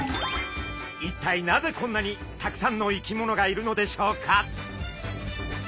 一体なぜこんなにたくさんの生き物がいるのでしょうか？